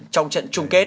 trong trận chung kết